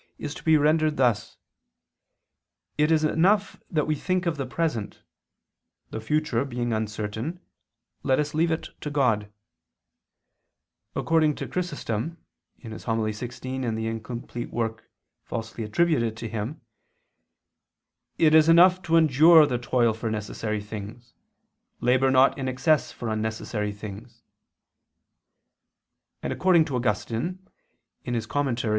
is to be rendered thus: "It is enough that we think of the present; the future being uncertain, let us leave it to God": according to Chrysostom [*Hom. xvi in the Opus Imperfectum, falsely ascribed to St. John Chrysostom], "It is enough to endure the toil for necessary things, labor not in excess for unnecessary things": according to Augustine (De Serm.